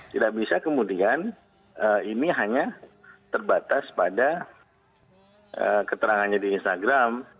tidak bisa kemudian ini hanya terbatas pada keterangannya di instagram